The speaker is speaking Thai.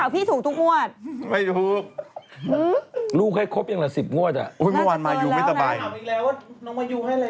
ผมถามอีกแล้วน้องมายูให้อะไรมั้ยคะ